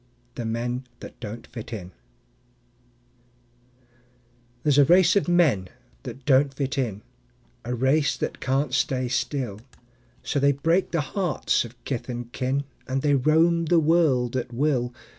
The Men That Don't Fit In There's a race of men that don't fit in, A race that can't stay still; So they break the hearts of kith and kin, And they roam the world at will.